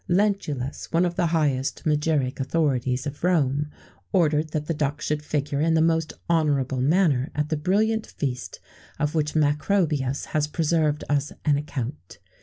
Lentulus, one of the high magiric authorities of Rome, ordered that the duck should figure in the most honourable manner at the brilliant feast of which Macrobius has preserved us an account.